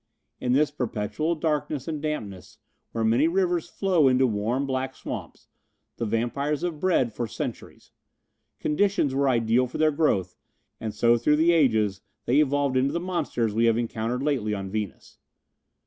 In this perpetual darkness and dampness, where many rivers flow into warm black swamps, the vampires have bred for centuries. Conditions were ideal for their growth, and so through the ages they evolved into the monsters we have encountered lately on Venus.